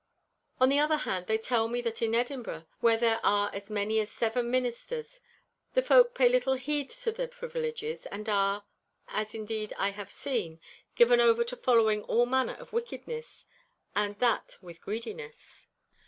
On the other hand, they tell me that in Edinburgh, where there are as many as seven ministers, the folk pay little heed to their privileges; and are, as indeed I have seen, given over to following all manner of wickedness and that with greediness.